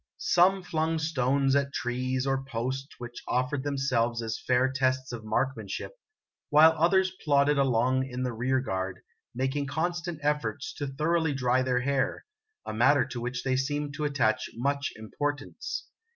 Some flung stones at trees or posts which offered themselves as fair tests of marksmanship, while others plodded along in the rear guard, making constant efforts to thoroughly dry their hair, a matter to. which they seemed to attach much importance.